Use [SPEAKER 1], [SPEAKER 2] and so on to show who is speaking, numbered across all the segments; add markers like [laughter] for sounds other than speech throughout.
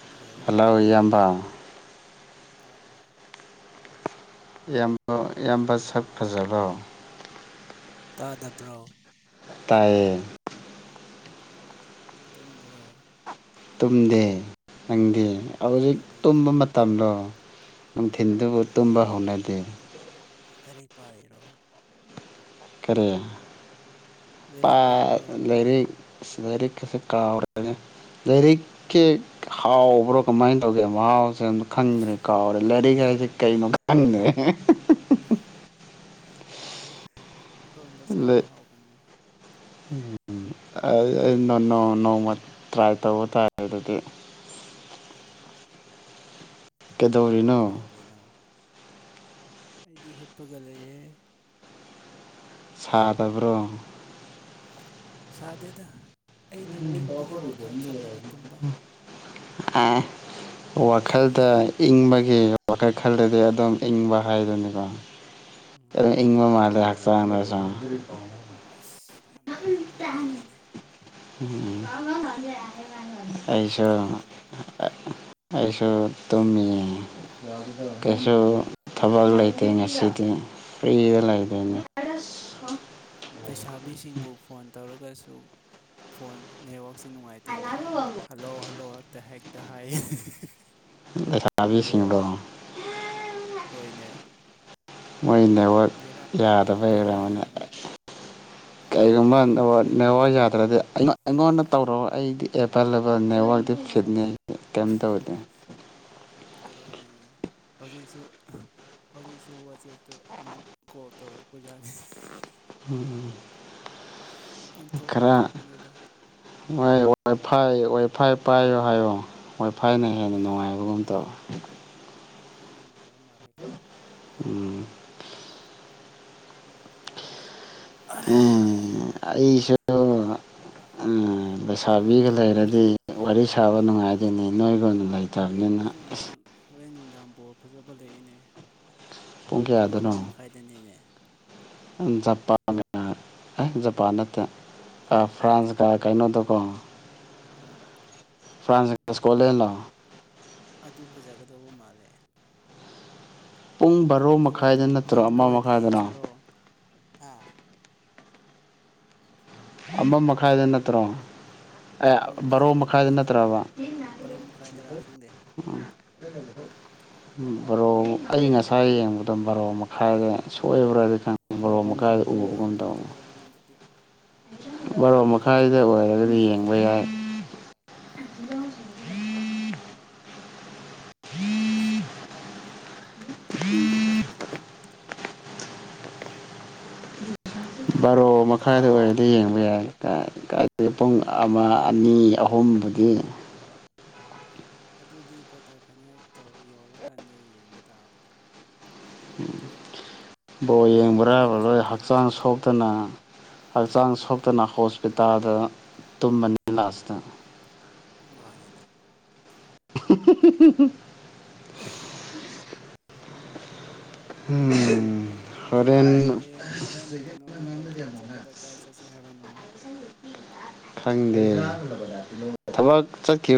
[SPEAKER 1] hello
[SPEAKER 2] hello ꯏꯌꯥꯝꯕ
[SPEAKER 1] ꯇꯥꯕ꯭ꯔꯣ
[SPEAKER 2] ꯏꯌꯥꯝꯕ ꯏꯌꯥꯝꯕ ꯁꯛ ꯐꯖꯕꯣ
[SPEAKER 1] ꯇꯥꯗꯕ꯭ꯔꯣ
[SPEAKER 2] ꯇꯥꯏꯌꯦ
[SPEAKER 1] ꯇꯨꯝꯕ꯭ꯔꯣ
[SPEAKER 2] ꯇꯨꯝꯗꯦ ꯅꯪꯗꯤ ꯍꯧꯖꯤꯛ
[SPEAKER 1] ꯀꯩꯗꯧꯔꯤꯅꯣ
[SPEAKER 2] ꯇꯨꯝꯕ ꯃꯇꯝꯂꯣ ꯅꯨꯡꯊꯤꯟꯗꯨꯕꯨ ꯇꯨꯝꯕ ꯍꯧꯅꯗꯦ
[SPEAKER 1] ꯂꯩꯔꯤꯛ ꯄꯥꯔꯤꯔꯣ
[SPEAKER 2] ꯀꯔꯤ ꯄꯥ
[SPEAKER 1] ꯂꯥꯏꯔꯤꯛ ꯄꯥꯕ꯭ꯔꯣ
[SPEAKER 2] ꯂꯥꯏꯔꯤꯛ ꯑꯁ ꯂꯥꯏꯔꯤꯛ ꯀꯥꯁꯦ ꯀꯥꯎꯔꯦꯗꯥ ꯂꯥꯏꯔꯤꯛꯀꯤ ꯍꯥꯎꯕ꯭ꯔꯣ ꯀꯃꯥꯏꯅ ꯇꯧꯒꯦ ꯃꯍꯥꯎꯁ ꯈꯪꯗ꯭ꯔꯦ ꯀꯥꯎꯔꯦ ꯂꯥꯏꯔꯤꯛ ꯍꯥꯏꯁꯦ ꯀꯩꯅꯣ ꯈꯪꯗ꯭ꯔꯦ
[SPEAKER 1] ꯏꯔꯣꯟꯕ ꯆꯥꯕ ꯍꯥꯎꯕꯅꯦ
[SPEAKER 2] ꯎꯝ ꯅꯣꯡꯃ ꯇ꯭ꯔꯥꯏ ꯇꯧꯕ ꯇꯥꯔꯦ ꯑꯗꯨꯗꯤ
[SPEAKER 1] ꯎꯝ
[SPEAKER 2] ꯀꯩꯗꯧꯔꯤꯅꯣ
[SPEAKER 1] ꯀꯩꯗꯧꯔꯤꯅꯣ ꯑꯩꯗꯤ ꯍꯤꯞꯄꯥ ꯒꯥ ꯂꯩ ꯑꯦ
[SPEAKER 2] ꯁꯥꯗꯕ꯭ꯔꯣ
[SPEAKER 1] ꯁꯥꯗꯦꯗ ꯑꯩꯅ ꯏꯪꯕꯒꯤ ꯋꯥꯈꯜ ꯈꯜꯂꯒ ꯇꯨꯝꯕ
[SPEAKER 2] ꯑꯦ ꯋꯥꯈꯜꯗ ꯏꯪꯕꯒꯤ ꯋꯥꯈꯜ ꯈꯜꯗꯗꯤ ꯑꯗꯨꯝ ꯏꯪꯕ ꯍꯥꯏꯗꯨꯅꯤꯀꯣ ꯑ
[SPEAKER 1] ꯎꯝ
[SPEAKER 2] ꯏꯡꯕ
[SPEAKER 1] ꯃꯥꯅꯦ
[SPEAKER 2] ꯃꯥꯂꯦ ꯍꯥꯛꯆꯥꯡꯗꯁꯨ
[SPEAKER 1] ꯑꯁ ꯌꯥꯝ ꯅꯨꯡꯉꯥꯏꯕ ꯋꯥꯔꯤꯅꯤꯅꯦ
[SPEAKER 2] ꯎꯝ ꯑꯩꯁꯨ
[SPEAKER 1] ꯀꯩꯗꯧꯁꯦ ꯍꯥꯏꯕꯅꯣ
[SPEAKER 2] ꯑꯩꯁꯨ ꯇꯨꯝꯃꯤ ꯑꯦ ꯀꯩꯁꯨ ꯊꯕꯛ ꯂꯩꯇꯦ ꯉꯁꯤꯗꯤ ꯐ꯭ꯔꯤꯗ ꯂꯩꯗꯣꯏꯅꯦ
[SPEAKER 1] ꯂꯩꯁꯥꯕꯤꯁꯤꯡꯕꯨ ꯐꯣꯟ ꯇꯧꯔꯒꯁꯨ ꯐꯣꯟ ꯅꯦꯠꯋꯥꯛꯛꯁꯦ ꯅꯨꯡꯉꯥꯏꯇꯦꯅꯦ ꯍꯜꯂꯣ ꯍꯜꯂꯣꯑꯣ ꯍꯛꯇ ꯍꯦꯛꯇ ꯍꯥꯏ
[SPEAKER 2] ꯂꯩꯁꯥꯕꯤꯁꯤꯡꯗꯣ
[SPEAKER 1] ꯍꯣꯏꯅꯦ
[SPEAKER 2] ꯃꯣꯏ ꯅꯦꯠꯋꯥꯛ
[SPEAKER 1] ꯕꯦꯔꯥ
[SPEAKER 2] ꯌꯥꯗꯕ ꯂꯩꯔꯝꯃꯅꯦ
[SPEAKER 1] ꯕꯦꯔꯥꯅꯤꯅꯦ
[SPEAKER 2] ꯀꯔꯤꯒꯨꯝꯕ
[SPEAKER 1] ꯑꯦ ꯑꯦ
[SPEAKER 2] ꯅꯦꯋꯥ
[SPEAKER 1] ꯑꯦ
[SPEAKER 2] ꯌꯥꯗ꯭ꯔꯗꯤ ꯑꯩꯉ ꯑꯩꯉꯣꯟꯗ ꯇꯧꯔꯑꯣ ꯑꯩꯗꯤ ꯑꯦꯚꯥꯏꯂꯦꯕꯜ ꯅꯦꯠꯋꯥꯛꯇꯤ ꯐꯤꯠꯅꯤ ꯀꯩꯝ ꯇꯧꯗꯦ
[SPEAKER 1] ꯕꯦꯔꯥꯅꯤꯍꯦ ꯍꯧꯖꯤꯛꯁꯨ ꯍꯧꯖꯤꯛꯁꯨ ꯋꯥꯆꯦꯞꯇ ꯑꯃꯨꯛ ꯀꯣꯜ ꯇꯧꯔꯛꯄ ꯌꯥꯠꯅꯤ
[SPEAKER 2] ꯎꯝ
[SPEAKER 1] ꯑꯣꯟꯊꯣꯛ ꯑꯣꯟꯊꯣꯛꯄꯅꯦꯗ
[SPEAKER 2] ꯍꯣꯏ ꯋꯥꯏ ꯐꯥꯏ ꯋꯥꯏ ꯐꯥꯏ ꯄꯥꯏꯌꯣ ꯍꯥꯏꯌꯣ ꯋꯥꯏ ꯐꯥꯏꯅ ꯍꯦꯟꯅ ꯅꯨꯡꯉꯥꯏꯕꯒꯨꯝ ꯇꯧꯋ
[SPEAKER 1] ꯋꯥꯏꯐꯥꯏꯅ ꯅꯨꯡꯉꯥꯏꯕ ꯃꯥꯜꯗꯦꯀꯣ
[SPEAKER 2] ꯎꯝ
[SPEAKER 1] ꯑꯔꯩ
[SPEAKER 2] ꯝ ꯑꯩꯁꯨ ꯑꯁ
[SPEAKER 1] ꯍꯣꯔꯦꯟ
[SPEAKER 2] ꯁꯥꯕꯤꯒ ꯂꯩꯔꯗꯤ ꯋꯥꯔꯤ ꯁꯥꯕ ꯅꯨꯡꯉꯥꯏꯗꯨꯣꯏꯅꯤ ꯅꯣꯏꯒ ꯑꯣꯏꯅ ꯂꯩꯇꯦ
[SPEAKER 1] ꯍꯣꯔꯦꯟ ꯅꯨꯡꯗꯥꯡ ꯍꯣꯔꯦꯟ ꯅꯨꯡꯗꯥꯡꯕꯨ ꯐꯖꯕ ꯂꯩꯏꯅꯦ ꯄꯨꯡ ꯑꯃ ꯃꯈꯥꯏ ꯑꯗꯨꯗꯤꯅꯦ
[SPEAKER 2] ꯖꯄꯥꯟ ꯑꯦ ꯖꯄꯥꯟ ꯅꯠꯇ ꯑ
[SPEAKER 1] ꯖꯄꯥꯟ ꯅꯠꯇꯦ
[SPEAKER 2] ꯐ꯭ꯔꯥꯟꯁꯀ ꯀꯩꯅꯣꯗꯣꯀꯣ
[SPEAKER 1] ꯎꯝ
[SPEAKER 2] ꯐ꯭ꯔꯥꯟꯁ
[SPEAKER 1] ꯑꯗꯨ
[SPEAKER 2] ꯏꯁꯀꯣꯂꯦꯠꯂꯣ
[SPEAKER 1] ꯐꯖ ꯑꯗꯨ ꯐꯖꯒꯗꯧꯕ ꯃꯥꯜꯂꯦ
[SPEAKER 2] ꯄꯨꯡ ꯕꯥꯔꯣ
[SPEAKER 1] ꯃꯪꯗ ꯑꯣꯏꯅ
[SPEAKER 2] ꯃꯈꯥꯏꯗ ꯅꯠꯇ꯭ꯔꯣ
[SPEAKER 1] ꯃꯪꯗ
[SPEAKER 2] ꯑꯃ
[SPEAKER 1] ꯑꯣꯏꯅ
[SPEAKER 2] ꯃꯈꯥꯏꯗꯅꯣ
[SPEAKER 1] ꯌꯦꯡꯁꯤꯔꯣ ꯑ
[SPEAKER 2] ꯑꯃ ꯃꯈꯥꯏꯗ ꯅꯪ ꯇ꯭ꯔꯣ ꯑꯥꯏ
[SPEAKER 1] ꯑꯃ
[SPEAKER 2] ꯕꯥꯔꯣ
[SPEAKER 1] ꯑꯣꯏꯕ
[SPEAKER 2] ꯃꯈꯥꯏꯗ
[SPEAKER 1] ꯃꯥꯜꯂꯦ
[SPEAKER 2] ꯅꯠꯇ꯭ꯔꯕ
[SPEAKER 1] ꯕꯥꯔꯣ ꯃꯈꯥꯏꯗꯔꯥ ꯈꯪꯗꯦ
[SPEAKER 2] ꯎꯝ
[SPEAKER 1] [inaudible]
[SPEAKER 2] ꯎꯝ ꯕꯥꯔꯣ ꯑꯩ ꯉꯁꯥꯏ ꯌꯦꯡꯕꯗ ꯕꯥꯔꯣ ꯃꯈꯥꯏꯗ ꯁꯣꯏꯕ꯭ꯔꯥꯗꯤ ꯈꯪꯕ ꯕꯥꯔꯣ ꯃꯈꯥꯏꯗ
[SPEAKER 1] ꯕꯥꯔꯣ
[SPEAKER 2] ꯎꯕꯒꯨꯝ
[SPEAKER 1] ꯃꯈꯥꯏꯗ
[SPEAKER 2] ꯇꯧꯕꯅꯦ
[SPEAKER 1] ꯑꯣꯏꯔꯝꯒꯅꯤ ꯑꯗꯨꯗꯤ
[SPEAKER 2] ꯕꯥꯔꯣ ꯃꯈꯥꯏꯗ ꯑꯣꯏꯔꯒꯗꯤ ꯌꯦꯡꯕ ꯌꯥꯏ
[SPEAKER 1] ꯎꯝ ꯈꯪꯗꯦꯅꯦ ꯑꯁ ꯀꯅꯥꯅꯣ ꯐꯣꯟ ꯇꯣꯞ ꯇꯣꯞ ꯇꯧꯔ ꯂꯥꯛꯏꯗꯨꯕꯣ
[SPEAKER 2] ꯕꯥꯔꯣ ꯃꯈꯥꯏꯗ ꯑꯣꯏꯔ ꯗꯤ ꯌꯦꯡꯕ ꯌꯥꯏ ꯀꯥꯏ ꯀꯥꯏꯗꯒꯤ ꯄꯨꯡ ꯑꯃ
[SPEAKER 1] ꯈꯪꯗꯦꯅꯦ
[SPEAKER 2] ꯑꯅꯤ ꯑꯍꯨꯝꯕꯨꯗꯤ
[SPEAKER 1] ꯑꯗꯨꯗꯤ ꯀ꯭ꯋꯥꯇꯔ ꯐꯥꯏꯅꯦꯜ ꯇꯧꯔ ꯌꯧꯔꯀꯥꯟꯗ ꯌꯦꯡꯕ ꯇꯥꯕꯅꯤ
[SPEAKER 2] ꯕꯣꯜ ꯌꯦꯡꯕ꯭ꯔꯥꯕꯨ ꯂꯣꯏ
[SPEAKER 1] ꯅꯠꯇ꯭ꯔꯗꯤ
[SPEAKER 2] ꯍꯛꯆꯥꯡ
[SPEAKER 1] ꯍꯧꯖꯤꯛꯇꯤ
[SPEAKER 2] ꯁꯣꯛꯇꯅ ꯍꯛꯆꯥꯡ ꯁꯣꯛꯇꯅ ꯍꯣꯁꯄꯤꯇꯥꯜꯗ ꯇꯨꯝꯕꯅꯤ ꯂꯥꯁꯇ
[SPEAKER 1] ꯏꯃꯥꯅꯤꯅꯦ
[SPEAKER 2] [unintelligible]
[SPEAKER 1] [unintelligible]
[SPEAKER 2] ꯎꯝ
[SPEAKER 1] ꯍꯧꯖꯤꯛ ꯍꯧꯖꯤꯛ
[SPEAKER 2] ꯍꯣꯔꯦꯟ
[SPEAKER 1] ꯍꯌꯦꯡ ꯍꯣꯔꯦꯟ ꯀꯩꯅꯣ ꯋꯥꯛꯀꯤꯡ ꯆꯠꯄꯗ ꯀꯥꯏ ꯆꯠꯁꯦ ꯍꯥꯏꯕꯅꯣ
[SPEAKER 2] ꯈꯪꯗꯦ ꯊꯕꯛ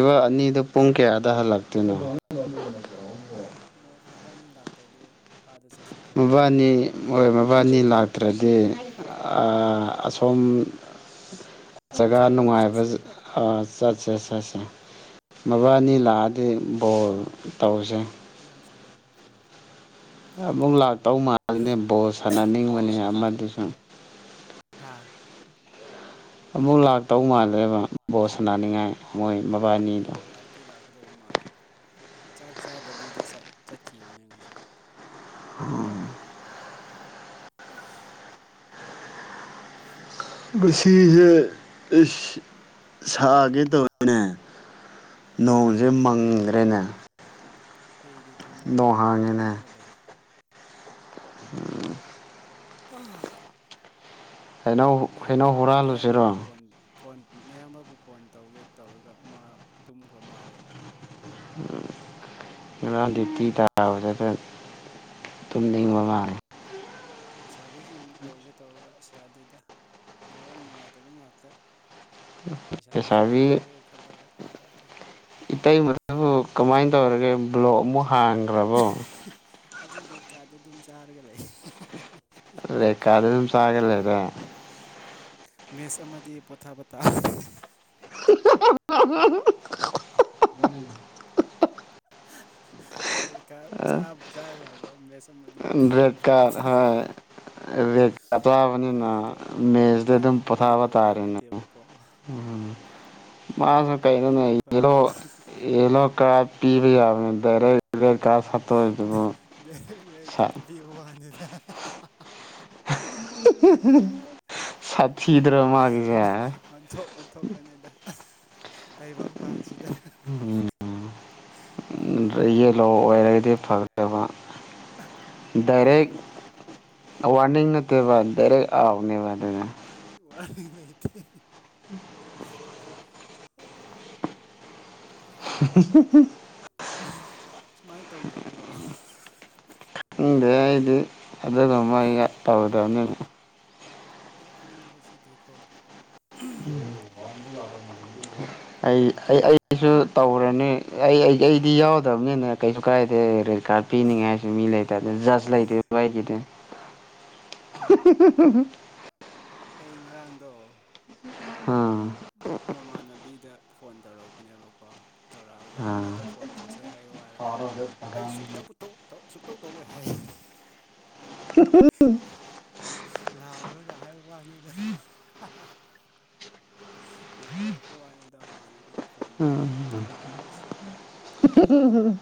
[SPEAKER 1] ꯕꯣ
[SPEAKER 2] ꯑꯅꯤꯗꯨ ꯄꯨꯡ ꯀꯌꯥꯗ ꯍꯜꯂꯛꯇꯣꯏꯅꯣ
[SPEAKER 1] ꯈꯪꯗꯦꯅꯦ ꯃꯣꯏ ꯃꯕꯥꯅꯤ ꯂꯥꯛꯇ꯭ꯔꯗꯤ ꯑꯥꯗ ꯆꯠꯁꯤꯀꯣ
[SPEAKER 2] ꯃꯕꯥꯅꯤ ꯍꯣꯏ ꯃꯕꯥꯅꯤ ꯂꯥꯛꯇ꯭ꯔꯗꯤ ꯑꯥ
[SPEAKER 1] ꯎꯝ
[SPEAKER 2] ꯑꯁꯣꯝ
[SPEAKER 1] [inaudible]
[SPEAKER 2] ꯖꯒꯥ
[SPEAKER 1] ꯁꯥꯏꯒꯤꯗꯣ
[SPEAKER 2] ꯅꯨꯡꯉꯥꯏꯕꯖꯦ
[SPEAKER 1] ꯆꯠꯁꯦꯕ
[SPEAKER 2] ꯑ ꯆꯠꯁꯦ ꯆꯠꯁꯦ ꯃꯕꯥꯅꯤ ꯂꯥꯛꯑꯗꯤ ꯕꯣꯜ ꯇꯧꯁꯦ
[SPEAKER 1] ꯑꯗꯨꯝ ꯁꯥꯟꯅꯕ ꯍꯣꯏ
[SPEAKER 2] ꯑꯃꯨꯛ ꯂꯥꯛꯇꯧ ꯃꯥꯜꯂꯤꯅꯦ ꯕꯣꯜ ꯁꯥꯟꯅꯅꯤꯡꯕꯅꯤ ꯑꯃꯗꯤꯁꯨ
[SPEAKER 1] ꯍꯥꯥ
[SPEAKER 2] ꯑꯃꯨꯛ ꯂꯥꯛꯇꯧ ꯃꯥꯜꯂꯦꯕ ꯕꯜ ꯁꯥꯟꯅꯥꯅꯤꯡꯉꯥꯏ ꯃꯣꯏ ꯃꯕꯥꯅꯤꯗꯣ
[SPEAKER 1] ꯇꯤ ꯂꯥꯛꯀꯗꯧꯕ ꯃꯥꯜꯂꯦ ꯆꯥꯛ ꯆꯥꯗꯕꯤꯗ ꯆꯠꯈꯤꯕꯅꯦ ꯉꯁꯤ
[SPEAKER 2] ꯎꯝ
[SPEAKER 1] [unintelligible]
[SPEAKER 2] ꯉꯁꯤꯖꯦ ꯑꯩꯁ ꯁꯥꯗꯦꯗ ꯇꯧꯋꯦꯅꯦ ꯅꯣꯡꯖꯦ
[SPEAKER 1] ꯆꯥꯗꯦꯗ
[SPEAKER 2] ꯃꯪꯒ꯭ꯔꯦꯅꯦ
[SPEAKER 1] ꯑꯩꯗꯤ ꯊꯧꯅꯥꯎ ꯃꯅꯥꯛꯇ ꯐꯝꯃꯒ ꯂꯩꯌꯦ
[SPEAKER 2] ꯎꯝ
[SPEAKER 1] [unintelligible]
[SPEAKER 2] ꯍꯩꯅꯧ ꯍꯩꯅꯧ
[SPEAKER 1] ꯅꯌꯥꯝꯕ ꯅꯌꯥꯝꯕꯕꯨ
[SPEAKER 2] ꯍꯨꯔꯥꯜꯂꯨꯁꯤꯔꯣ
[SPEAKER 1] ꯐꯣꯟ ꯐꯣꯟ ꯅꯌꯥꯝꯕꯕꯨ ꯐꯣꯟ ꯇꯧꯒꯦ ꯇꯧꯔꯒ ꯃꯥ ꯇꯨꯝꯈ꯭ꯔ ꯃꯥꯜꯂꯦꯅꯦ
[SPEAKER 2] ꯎꯝ ꯉꯔꯥꯡ ꯗ꯭ꯌꯨꯇꯤ ꯇꯥꯕꯗꯗ ꯇꯨꯝꯅꯤꯡꯕ
[SPEAKER 1] ꯎꯝ
[SPEAKER 2] ꯃꯥꯜꯂꯦ
[SPEAKER 1] ꯂꯩꯁꯥꯕꯤꯁꯤꯡ ꯇꯧꯒꯦ ꯇꯧꯔꯒ ꯑꯁ ꯌꯥꯗꯦꯗ ꯅꯦꯠꯋꯥꯛ ꯅꯨꯡꯉꯥꯏꯇꯕ ꯉꯥꯛꯇ ꯂꯩꯁꯥꯕꯤꯁꯤꯡꯕꯨ
[SPEAKER 2] ꯂꯩꯁꯥꯕꯤ
[SPEAKER 1] ꯇꯧꯒꯦ ꯈꯜꯂꯒ ꯌꯥꯗꯦ
[SPEAKER 2] ꯏꯇꯩꯃꯗꯨꯕꯨ ꯀꯃꯥꯏꯟ ꯇꯧꯔꯤꯒꯦ ꯕ꯭ꯂꯣꯛ ꯑꯃꯨꯛ ꯍꯥꯡꯉꯦ
[SPEAKER 1] ꯑꯗꯨ ꯔꯦꯀꯥꯗꯨ ꯑꯗꯨꯝ ꯆꯥꯔꯒ ꯂꯩ
[SPEAKER 2] ꯂꯩ ꯀꯥꯗ ꯑꯗꯨꯝ ꯆꯔꯒꯥ ꯂꯩꯔꯦ
[SPEAKER 1] ꯃꯦꯆ ꯑꯃꯗꯤ ꯄꯣꯊꯥ ꯄꯇꯥ
[SPEAKER 2] [unintelligible]
[SPEAKER 1] [unintelligible]
[SPEAKER 2] ꯕꯔꯦꯠ
[SPEAKER 1] ꯎꯄꯥꯏ
[SPEAKER 2] ꯀꯥꯔ
[SPEAKER 1] ꯂꯩꯇ꯭ꯔꯦ
[SPEAKER 2] ꯍꯣꯏ ꯑꯇꯕꯅꯤꯅꯥ
[SPEAKER 1] ꯃꯥꯒꯤꯗꯣ
[SPEAKER 2] ꯃꯦꯁꯇ ꯑꯗꯨꯝ
[SPEAKER 1] ꯃꯥꯒꯤꯗꯣ
[SPEAKER 2] ꯄꯣꯊꯥꯕ
[SPEAKER 1] ꯌꯦꯂꯣ ꯀꯥꯔꯗ
[SPEAKER 2] ꯇꯥꯔꯦꯅꯦ
[SPEAKER 1] ꯅꯠꯇꯦꯕꯀꯣ
[SPEAKER 2] ꯎꯝ ꯃꯥꯅ
[SPEAKER 1] ꯌꯦꯂꯣ ꯀꯥꯔꯗ
[SPEAKER 2] ꯀꯩꯅꯣꯅꯦ
[SPEAKER 1] ꯄꯤꯔꯗꯤ
[SPEAKER 2] ꯌꯦꯂꯣ
[SPEAKER 1] ꯐꯒꯗꯧꯕ
[SPEAKER 2] ꯌꯦꯂꯣ ꯀꯔꯗ ꯄꯤꯕ ꯌꯥꯕꯅꯦ ꯗꯥꯏꯔꯦꯛ [unintelligible]
[SPEAKER 1] ꯗ ꯗꯥꯏꯔꯦꯛ ꯔꯦꯗ ꯀꯥꯔꯗ ꯄꯤ ꯋꯥꯅꯤꯗ
[SPEAKER 2] ꯁꯥꯊꯤꯗ꯭ꯔꯣ ꯃꯥꯒꯤꯁꯦ
[SPEAKER 1] ꯑꯣꯟꯊꯣꯛ ꯑꯣꯟꯊꯣꯛꯄꯅꯤꯗ ꯇꯥꯏꯕꯪꯄꯥꯟꯁꯤꯗ
[SPEAKER 2] ꯎꯝ
[SPEAKER 1] ꯑꯦ
[SPEAKER 2] ꯌꯦꯜꯂꯣ ꯑꯣꯏꯔꯒꯗꯤ ꯐꯒꯗꯕ ꯗꯥꯏꯔꯦꯛ
[SPEAKER 1] ꯕꯦꯔꯥꯅꯤꯅꯦ
[SPEAKER 2] ꯋꯥꯔꯅꯤꯡ ꯅꯠꯇꯦꯕ ꯗꯥꯏꯔꯦꯛ ꯑꯥꯎꯅꯦꯕ ꯑꯗꯨꯅ
[SPEAKER 1] ꯃꯥꯅꯤ ꯋꯥꯔꯅꯤ ꯂꯩꯇꯦ
[SPEAKER 2] [inaudible] [inaudible]
[SPEAKER 1] ꯁꯨꯃꯥꯏ ꯇꯧꯅꯕ꯭ꯔꯣ
[SPEAKER 2] ꯏꯪꯗꯤ ꯑꯩꯗꯤ ꯑꯗꯨꯒꯃꯏ ꯑꯩꯒ ꯇꯧꯗꯕꯅꯤ ꯅ
[SPEAKER 1] ꯅꯣꯛꯅꯤꯡꯕꯁꯤꯗꯤꯀꯣ
[SPEAKER 2] [unintelligible] ꯑꯩ ꯑꯩ ꯑꯩꯁꯨ ꯇꯧꯔꯅꯤ ꯑꯩ ꯑꯩ ꯑꯩꯗꯤ ꯌꯥꯎꯗꯕꯅꯤꯅꯦ ꯀꯩꯁꯨ ꯀꯥꯏꯗꯦ ꯔꯦꯗ ꯀꯥꯔ ꯄꯤꯅꯤꯡꯉꯥꯏ ꯁꯨ ꯃꯤ ꯂꯩꯇꯗ ꯖꯁ ꯂꯩꯇꯦ ꯑꯩꯒꯤꯗꯤ
[SPEAKER 1] [inaudible]
[SPEAKER 2] [unintelligible]
[SPEAKER 1] ꯑꯩ ꯉꯔꯥꯡꯗꯣ
[SPEAKER 2] ꯑꯝ
[SPEAKER 1] ꯃ ꯃꯃꯥꯟꯅꯕꯤꯗ ꯐꯣꯟ ꯇꯧꯔꯛꯄꯅꯦꯕꯀꯣ ꯇꯧꯔꯛꯑꯒ
[SPEAKER 2] ꯑꯥ
[SPEAKER 1] ꯑꯃꯗ ꯐꯣꯟ ꯇꯧꯁꯦ ꯍꯥꯏꯌꯣ ꯍꯥꯏꯔꯒ ꯑꯩꯁꯨ ꯅꯡꯕꯨ ꯇꯧ ꯇꯧ ꯑꯁꯨꯇꯧ ꯇꯧꯔꯣꯏ ꯍꯥꯏ
[SPEAKER 2] [unintelligible]
[SPEAKER 1] ꯂꯥꯎꯔꯒ ꯍꯥꯏꯕ ꯋꯥꯅꯤꯗ ꯂꯥꯎꯔꯛꯄ ꯋꯥꯅꯤꯗ ꯃꯃꯥꯟꯅꯕꯤꯒꯤ ꯐꯣꯟꯗ ꯑꯁ ꯕꯦꯔꯥꯅꯤꯍꯦ
[SPEAKER 2] ꯎꯝ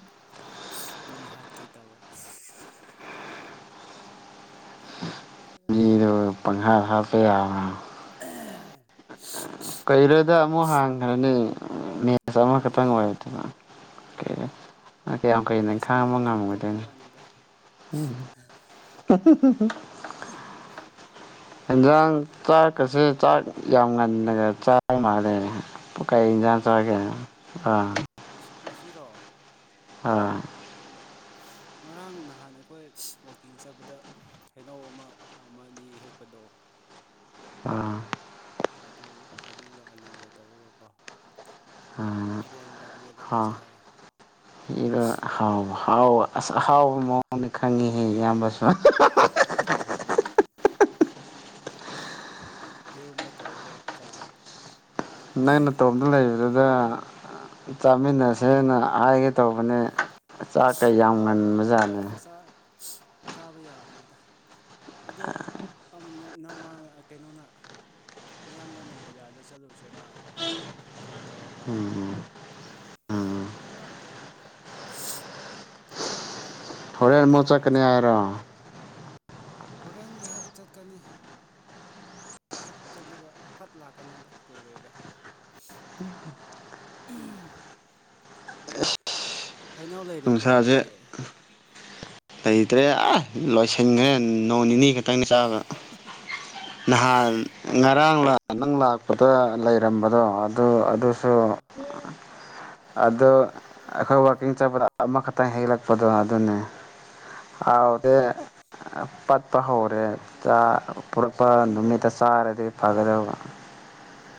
[SPEAKER 1] ꯃꯤ ꯍꯥꯠ ꯀꯩ ꯇꯧꯋꯦ
[SPEAKER 2] ꯃꯤꯗꯣ ꯄꯪꯍꯥ ꯍꯠꯄꯦ ꯌꯥ
[SPEAKER 1] [unintelligible]
[SPEAKER 2] ꯀꯩꯔꯣꯗ ꯑꯃꯨꯛ ꯍꯥꯡꯈ꯭ꯔꯅꯤ ꯃꯦꯁ ꯑꯃꯈꯛꯇꯪ
[SPEAKER 1] ꯀꯨꯏꯔꯣꯏꯗ
[SPEAKER 2] ꯑꯣꯏꯗꯅ ꯀꯦ
[SPEAKER 1] ꯑꯥ
[SPEAKER 2] ꯑꯥ ꯀꯌꯥꯝ ꯀꯨꯏꯅꯥ
[SPEAKER 1] ꯃꯦꯠꯆ
[SPEAKER 2] ꯈꯥꯡꯕ
[SPEAKER 1] ꯑꯃꯈꯛꯇꯪ ꯇꯣꯛꯄ
[SPEAKER 2] ꯉꯝꯒꯗꯣꯏꯅꯣ
[SPEAKER 1] ꯋꯥꯅꯤꯗ
[SPEAKER 2] ꯎꯝ [unintelligible]
[SPEAKER 1] [unintelligible]
[SPEAKER 2] ꯌꯦꯟꯖꯥꯡ ꯆꯥꯛꯀꯁꯦ ꯆꯥꯛ ꯌꯥꯝꯉꯥꯟꯅꯥꯒ ꯆꯥꯕ ꯃꯥꯥꯟꯂꯦ ꯄꯀꯩ ꯏꯖꯥꯡ
[SPEAKER 1] ꯑꯩꯔꯣ
[SPEAKER 2] ꯆꯒꯦ ꯑꯥ
[SPEAKER 1] ꯉꯁꯤ ꯉꯁꯤꯔꯣ
[SPEAKER 2] ꯑꯥ
[SPEAKER 1] ꯉꯔꯥꯡ ꯅꯍꯥꯟ ꯑꯩꯈꯣꯏ ꯋꯀꯤꯡ ꯆꯠꯕꯗ ꯍꯩꯅꯧ ꯑꯃ ꯑꯃ ꯑꯅꯤ ꯍꯦꯛꯄꯗꯣ
[SPEAKER 2] ꯑꯥ
[SPEAKER 1] ꯑꯗꯨ ꯑꯗꯨꯒ ꯑꯂꯨꯒ ꯇꯧꯔꯒꯀꯣ ꯏꯔꯣꯟꯕ ꯃꯦꯠꯂꯒ ꯆꯥꯏꯑꯦ
[SPEAKER 2] ꯃꯤꯅꯥ ꯍꯥꯎꯕ ꯍꯥꯎꯕ ꯑꯁ ꯑꯍꯥꯎꯕ ꯃꯑꯣꯡꯗ ꯈꯪꯉꯤꯍꯦ ꯏꯌꯥꯝꯕꯁꯨ
[SPEAKER 1] [unintelligible] ꯏꯔꯨꯝꯕ ꯇꯧꯔꯒ ꯆꯥꯏ
[SPEAKER 2] ꯅꯪꯩꯅ ꯇꯣꯞꯇ ꯂꯩꯕꯗꯨꯗ
[SPEAKER 1] ꯑꯍꯥꯎ
[SPEAKER 2] ꯆꯥꯃꯤꯟꯅꯁꯦꯅ
[SPEAKER 1] ꯑꯍꯥꯎꯕ
[SPEAKER 2] ꯍꯥꯏꯒꯦ ꯇꯧꯕꯅꯦ ꯆꯥꯛꯀ ꯌꯥꯝ
[SPEAKER 1] ꯑꯍꯥꯎ ꯑꯍꯥꯎꯕ
[SPEAKER 2] ꯉꯟꯕꯖꯥꯠꯅꯦ
[SPEAKER 1] ꯄꯨꯔꯛꯑꯒ ꯆꯥꯕ ꯌꯥꯕꯅꯤꯗ ꯑꯗꯣ [unintelligible] ꯅ ꯃꯥꯅ ꯀꯩꯅꯣꯅ ꯅꯌꯥꯝꯕꯅ ꯕꯖꯥꯔꯗ ꯆꯠꯂꯨꯁꯦꯔꯥꯅ ꯐꯣꯟ ꯇꯧꯔꯛ
[SPEAKER 2] ꯎꯝ
[SPEAKER 1] ꯑꯗꯨꯒꯤ ꯆꯠꯄ
[SPEAKER 2] ꯍꯣꯔꯦꯟ ꯑꯃꯨꯛ
[SPEAKER 1] ꯉꯟꯇꯥ
[SPEAKER 2] ꯆꯛꯀꯅꯤ ꯍꯥꯏꯔ
[SPEAKER 1] ꯆꯥꯔꯨꯕ ꯍꯣꯔꯦꯟ ꯉꯥꯏꯍꯥꯛ ꯆꯠꯀꯅꯤ ꯉꯍꯥꯛ ꯆꯠꯂꯒ ꯐꯠ ꯂꯥꯛꯀꯅꯤꯗ ꯀꯣꯏꯔꯣꯏꯗ ꯍꯩꯅꯧ ꯂꯩꯔꯤꯕ꯭ꯔꯣ
[SPEAKER 2] ꯅꯨꯡꯁꯥꯁꯦ
[SPEAKER 1] ꯅꯣꯏꯒꯤ
[SPEAKER 2] ꯂꯩꯇ꯭ꯔꯦ ꯑ ꯂꯣꯏꯁꯤꯟꯈ꯭ꯔꯦ ꯅꯣꯡ ꯅꯤꯅꯤ ꯈ ꯈꯤꯇꯪꯅ ꯆꯥꯕ ꯅꯍꯥꯟ ꯉꯔꯥꯡꯂ ꯅꯪ
[SPEAKER 1] ꯉꯔꯥꯡ
[SPEAKER 2] ꯂꯥꯛꯄ ꯑꯗꯨꯔ
[SPEAKER 1] ꯂꯥꯛ
[SPEAKER 2] ꯂꯩꯔꯝꯕꯗꯣ ꯑꯗꯨ ꯑꯗꯨꯁꯨ
[SPEAKER 1] ꯑꯥ
[SPEAKER 2] ꯑꯗꯣ ꯑꯩꯈꯣꯏ ꯋꯥꯋꯀꯤꯡ ꯆꯠꯄꯗ ꯑꯃꯈꯛꯇꯪ ꯍꯦꯛꯂꯛꯄꯗꯣ ꯑꯗꯨꯅꯦ
[SPEAKER 1] ꯑꯣ
[SPEAKER 2] ꯑꯗꯨꯗꯦ ꯄꯠꯄ ꯍꯧꯔꯦ ꯄꯨꯔꯛꯄ ꯅꯨꯃꯤꯠꯇ ꯆꯥꯔꯗꯤ ꯐꯒꯗꯧꯕ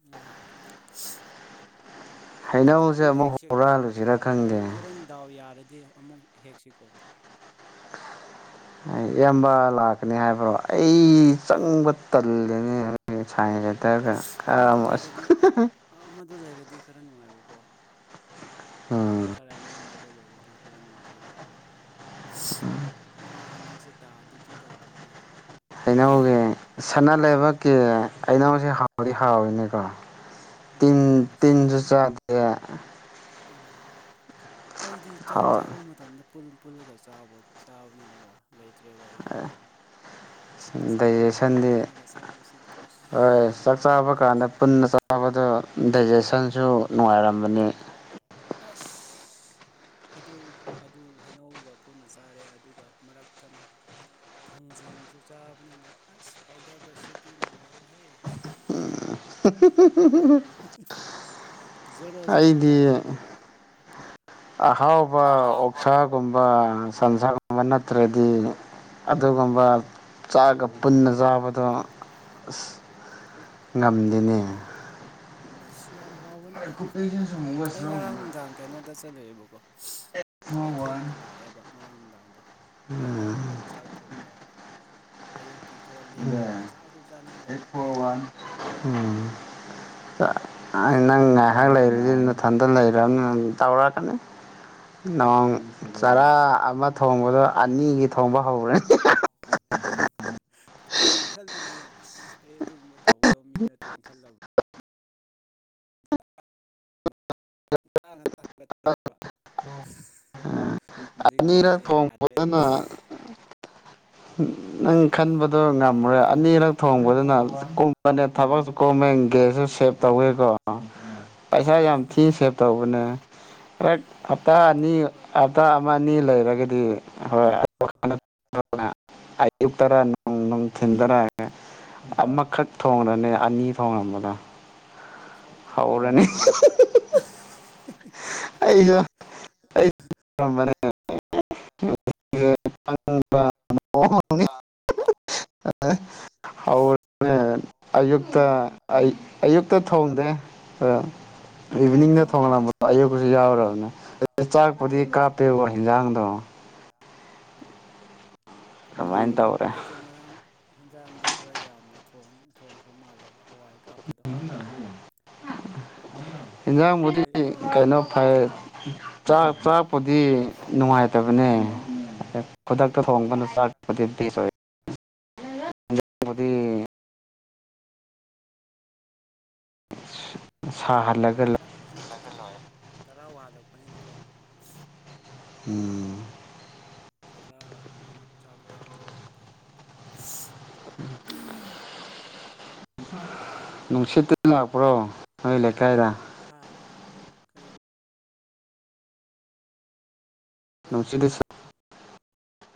[SPEAKER 1] ꯎꯝ
[SPEAKER 2] ꯍꯩꯅꯧꯁꯦ
[SPEAKER 1] ꯑꯃꯨꯛ ꯍꯦꯛꯁꯤꯀꯣ
[SPEAKER 2] ꯍꯨꯔꯥꯜꯂꯨꯁꯤꯔ ꯈꯪꯗꯦ
[SPEAKER 1] ꯍꯣꯔꯦꯟ ꯍꯣꯔꯦꯟ ꯗꯥꯎ ꯌꯥꯔꯗꯤ ꯑꯃꯨꯛ ꯍꯦꯛꯁꯤꯀꯣ
[SPEAKER 2] ꯏꯌꯥꯝꯕ ꯂꯥꯛꯀꯅꯤ ꯍꯥꯏꯕ꯭ꯔꯣ ꯑꯩ ꯆꯪꯕ ꯇꯜꯂꯤꯅꯦ ꯉꯥꯁꯥꯏꯁ ꯇꯔꯒ ꯈꯔ ꯑꯃꯣ ꯑꯁ
[SPEAKER 1] ꯑꯃꯗꫭ ꯂꯩꯔꯗꯤ ꯈꯔ ꯅꯨꯡꯉꯥꯏꯕꯀꯣ
[SPEAKER 2] ꯎꯝ
[SPEAKER 1] ꯈꯔ ꯑꯅꯦꯝꯕꯗꯣ ꯂꯩꯔꯗꯤ ꯈꯔ ꯅꯨꯡꯉꯥꯏꯒꯗꯧꯕ ꯃꯥ ꯍꯟꯗꯛꯁꯦ ꯇꯥ ꯗ꯭ꯌꯨꯇꯤ ꯇꯥꯗꯕ ꯃꯥꯜꯂꯦꯅꯦ
[SPEAKER 2] ꯍꯩꯅꯧꯒꯤ ꯁꯅꯥ ꯂꯩꯕꯛꯀꯤ ꯑꯩꯩꯅꯧꯁ ꯍꯥꯎꯗꯤ ꯍꯥꯎꯋꯤꯅꯦꯀꯣ ꯇꯤꯟ
[SPEAKER 1] ꯎꯝ ꯑꯁ
[SPEAKER 2] ꯇꯤꯟꯁꯨ ꯆꯥꯗꯦ
[SPEAKER 1] ꯎꯝ ꯑꯩꯗꯤ ꯆꯥꯛ
[SPEAKER 2] ꯍꯥꯎ
[SPEAKER 1] ꯆꯥꯕ ꯃꯇꯝꯗ ꯄꯨꯜꯂꯒ ꯆꯥꯕꯑꯣ ꯆꯥꯕꯅꯤꯅꯀꯣ ꯂꯩꯇ꯭ꯔꯦꯕ ꯑꯩꯒꯤꯗ ꯆꯥꯛ ꯆꯥꯕ ꯃꯇꯝꯗ
[SPEAKER 2] ꯗꯥꯏꯖꯦꯁꯟꯗꯤ
[SPEAKER 1] ꯄꯨꯜꯂꯒ ꯆꯥꯕꯁꯤꯗꯤ ꯑꯁ ꯁꯥꯎꯋꯦ ꯑꯩ
[SPEAKER 2] ꯐꯕꯗ ꯗꯥꯏꯖꯦꯁꯟꯁꯨ ꯅꯨꯡꯉꯥꯏꯔꯝꯕꯅꯤ
[SPEAKER 1] ꯑꯁ ꯑꯗꯨꯕꯨ ꯑꯗꯨꯕꯨ ꯍꯩꯅꯧꯒ ꯄꯨꯟꯅ ꯆꯥꯔꯦ ꯑꯗꯨꯒ ꯃꯔꯛ ꯇꯥꯅ ꯊꯥꯡꯖꯤꯡꯁꯨ ꯆꯥꯕꯅꯤꯅ ꯑꯁ ꯐꯥꯏꯗꯕꯁꯤꯗꯤ ꯅꯨꯡꯉꯥꯏꯔꯦꯍꯦ ꯖꯣꯔꯣ ꯖꯣꯔꯣ
[SPEAKER 2] ꯑꯩꯗꯤ
[SPEAKER 1] ꯇꯥꯕꯤꯅꯦꯗ
[SPEAKER 2] ꯑꯍꯥꯎꯕ ꯑꯣꯛꯁꯥ ꯨꯒꯨꯝꯕ ꯁꯟꯁꯥꯒꯨꯝꯕ ꯅꯠꯇ꯭ꯔꯗꯤ ꯑꯗꯨꯒꯨꯝꯕ ꯆꯥꯒ ꯄꯨꯟꯅ ꯆꯥꯕꯗꯣ ꯑꯁ ꯉꯝꯗꯦꯅꯦ
[SPEAKER 1] ꯑꯁ ꯌꯥꯝ ꯍꯥꯎꯕꯅꯤꯗ ꯑꯩ ꯉꯔꯥꯡ ꯅꯨꯡꯗꯥꯡ ꯀꯩꯅꯣꯗ ꯆꯠꯂꯦꯕꯀꯣ ꯑꯩ ꯊꯦꯡꯅ ꯂꯥꯛꯑꯦꯕ ꯉꯔꯥꯡ ꯅꯨꯡꯗꯥꯡꯗꯣ ꯑꯩ ꯉꯔꯥꯡ ꯅꯨꯡꯗꯥꯡ ꯆꯥꯛ ꯊꯣꯡꯗꯕ ꯑꯌꯨꯛꯀꯤ ꯈꯔ ꯂꯦꯝꯕꯗꯣ ꯆꯥꯛꯁꯨ ꯆꯥꯅꯤꯡꯗꯕ
[SPEAKER 2] [unintelligible] ꯎꯝ ꯑꯏ
[SPEAKER 1] ꯑꯁ
[SPEAKER 2] ꯅꯪ ꯉꯥꯏꯍꯥꯛ ꯂꯩꯔꯤꯗꯤ ꯅꯊꯟꯗ ꯂꯩ [unintelligible] ꯇꯧꯔꯥꯛ ꯀꯅꯤ ꯅꯣꯡ ꯆꯔꯥ ꯑꯃ ꯊꯣꯡꯕꯗꯣ ꯑꯅꯤꯒꯤ ꯊꯣꯡꯕ ꯍꯧꯔꯦ
[SPEAKER 1] ꯈꯜꯂꯤꯅꯦ ꯑꯁ ꯑꯩ ꯑꯗꯨꯒꯨꯝꯕ ꯇꯧꯒꯗꯧ ꯃꯤ ꯅꯠꯇꯦ ꯈꯜꯂꯕ [inaudible] ꯖꯤꯛꯀꯥꯟꯁꯦ
[SPEAKER 2] ꯑꯅꯤꯔꯛ
[SPEAKER 1] ꯌꯥꯔꯦꯗ
[SPEAKER 2] ꯊꯣꯡꯕꯗꯅ ꯅꯪ ꯈꯟꯕꯗꯣ ꯉꯝꯃꯔꯥ ꯅꯤꯔꯛ ꯊꯣꯡꯕꯗꯨꯅ ꯀꯨꯞꯄꯅꯦ ꯊꯕꯛꯁꯨ ꯀꯨꯝꯃꯦ ꯒꯦꯁꯁꯨ ꯁꯦꯞ ꯇꯧꯋꯦꯀꯣ ꯄꯩꯁꯥ ꯌꯥꯝ ꯊꯤ ꯁꯦꯚ ꯇꯧꯕꯅꯦ ꯍꯦꯛ ꯍꯞꯇꯥ
[SPEAKER 1] ꯑꯗꯨ
[SPEAKER 2] ꯑꯅꯤ
[SPEAKER 1] ꯇꯧꯔꯒꯗꯧ
[SPEAKER 2] ꯍꯞꯇꯥ
[SPEAKER 1] ꯃꯥꯜꯂꯦ
[SPEAKER 2] ꯑꯃ ꯑꯅꯤ ꯂꯩꯔꯒꯗꯤ ꯍꯣꯏ [inaudible] ꯑꯌꯨꯛ ꯇꯔꯅꯨꯡ ꯊꯤꯟꯇꯥꯔꯑꯦ [unintelligible] ꯑꯃꯈꯛ ꯊꯣꯡꯔꯥꯅꯤ ꯑꯅꯤ ꯊꯣꯡꯉꯝꯕꯗꯣ
[SPEAKER 1] ꯁꯣꯏꯗ꯭ꯔꯕꯅꯦ
[SPEAKER 2] ꯍꯥꯎꯔꯅꯤ [inaudible] [unintelligible] [unintelligible] [unintelligible] [unintelligible] [unintelligible] ꯑꯌꯨꯛꯇ ꯑꯩ ꯑꯌꯨꯛꯇ ꯊꯣꯡꯗꯦ ꯑ ꯏꯚꯤꯅꯤꯡꯗ ꯊꯣꯡꯂꯝꯕ ꯑꯌꯨꯛꯁꯨ ꯌꯥꯎꯔꯕꯅꯦ ꯆꯥꯛꯄꯨꯗꯤ
[SPEAKER 1] ꯑꯥ
[SPEAKER 2] ꯀꯥꯞꯇꯦꯀꯣ ꯍꯟꯖꯥꯡꯗꯣ
[SPEAKER 1] ꯎꯝ
[SPEAKER 2] ꯀꯃꯥꯏꯟ ꯗꯧꯔꯦ
[SPEAKER 1] ꯌꯨꯛ ꯉꯔꯥꯡ ꯍꯤꯟꯖꯥꯡꯗꯣ ꯈꯔ ꯌꯥꯝꯅ ꯊꯣꯡ ꯊꯣꯡꯈ꯭ꯔ ꯃꯥꯜꯂꯦꯕ ꯍꯋꯥꯏ ꯀꯥꯞꯄꯗꯣ ꯑꯗꯨ
[SPEAKER 2] ꯏꯟꯖꯡꯕꯨꯗꯤ
[SPEAKER 1] ꯑꯩ ꯉꯔꯥꯡ
[SPEAKER 2] ꯀꯩꯅꯣ
[SPEAKER 1] ꯅꯨꯡꯗꯥꯡ ꯑꯗꯨꯝ
[SPEAKER 2] ꯐꯩꯥ
[SPEAKER 1] ꯆꯥꯏ
[SPEAKER 2] ꯆꯥꯛ ꯆꯥꯛꯄꯨꯗꯤ ꯅꯨꯡꯉꯥꯏꯠ ꯅꯨꯡꯁꯤꯠ ꯇꯕꯅꯦ
[SPEAKER 1] ꯎꯝ
[SPEAKER 2] ꯈꯨꯗꯛꯇ ꯊꯣꯡꯕꯅ ꯆꯥꯛꯄꯗꯤ ꯕꯦꯁꯣꯏ
[SPEAKER 1] ꯃꯥꯅꯦ
[SPEAKER 2] ꯁꯍꯜꯂꯒꯥꯂꯥ
[SPEAKER 1] [unintelligible] ꯆꯔꯥ ꯋꯥꯟꯂꯛꯄꯅꯤꯅꯥ ꯀꯣ
[SPEAKER 2] ꯎꯝ
[SPEAKER 1] ꯆꯔꯥ ꯋꯥꯝꯃꯤꯅꯤꯅ ꯆꯥꯛ ꯂꯝꯗꯕꯥ ꯍꯥꯏꯇꯥꯔꯦ [unintelligible]
[SPEAKER 2] ꯅꯨꯡꯁꯤꯠ [inaudible] ꯂꯥꯛꯄ꯭ꯔꯣ ꯅꯣꯏ ꯂꯩꯀꯥꯏꯗ
[SPEAKER 1] ꯍꯥꯥ ꯀꯔꯤꯕꯨ
[SPEAKER 2] ꯅꯨꯡꯁꯤꯠꯗꯨ [unintelligible]